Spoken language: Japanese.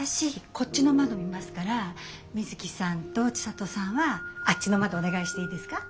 こっちの窓見ますからみづきさんと千里さんはあっちの窓お願いしていいですか？